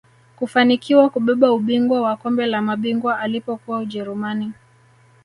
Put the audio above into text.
kufanikiwa kubeba ubingwa wa kombe la mabingwa alipokuwa ujerumani